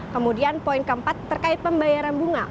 kemudian poin keempat terkait pembayaran bunga